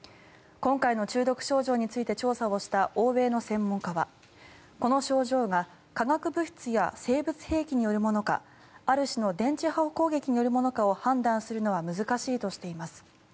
今回の中毒症状について調査をした欧米の専門家はこの症状が化学物質や生物兵器によるものかある種の電磁波攻撃によるものかを判断するのは難しいとしています。